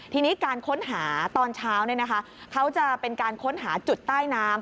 ทีนี้การค้นหาตอนเช้าเขาจะเป็นการค้นหาจุดใต้น้ำ